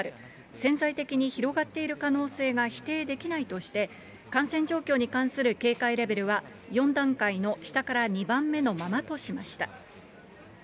潜在的に広がっている可能性が否定できないとして、感染状況に関する警戒レベルは４段階の下から２番目のままとしました。